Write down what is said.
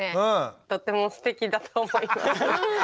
とってもすてきだと思います。